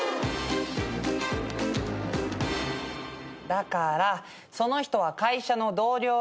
だからその人は会社の同僚だって。